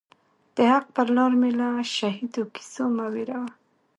د حق پر لار می له شهیدو کیسو مه وېروه